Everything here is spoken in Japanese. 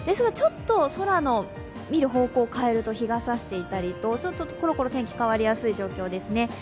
ちょっと、空の見る方向変えると日がさしていたりころころ天気が変わりやすい状況ですね。